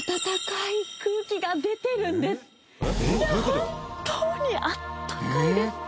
本当にあったかいです。